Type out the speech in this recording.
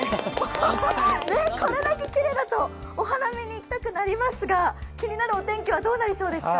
これだけきれいだとお花見に行きたくなりますが気になるお天気はどうなりそうですか。